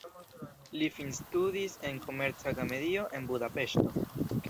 Li finstudis en komerca akademio, en Budapeŝto.